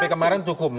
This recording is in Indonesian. rdp kemarin cukup